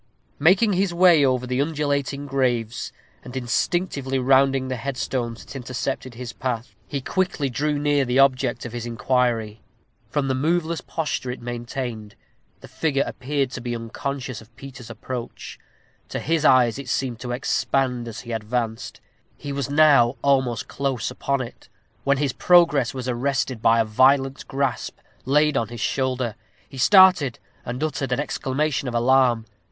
Making his way over the undulating graves, and instinctively rounding the headstones that intercepted his path, he quickly drew near the object of his inquiry. From the moveless posture it maintained, the figure appeared to be unconscious of Peter's approach. To his eyes it seemed to expand as he advanced. He was now almost close upon it, when his progress was arrested by a violent grasp laid on his shoulder. He started, and uttered an exclamation of alarm.